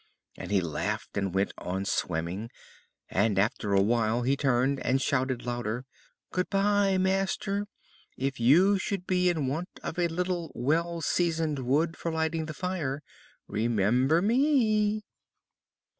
And he laughed and went on swimming, and after a while he turned again and shouted louder: "Good bye, master; if you should be in want of a little well seasoned wood for lighting the fire, remember me."